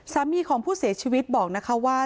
สามีของผู้เสียชีวิตบอกนะคะว่า